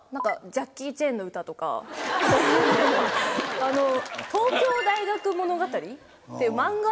ジャッキー・チェンの歌と『東京大学物語』が。